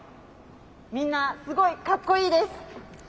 みんなすごいかっこいいです！